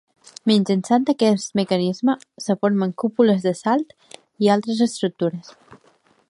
Mitjançant aquest mecanisme es formen cúpules de salt i altres estructures.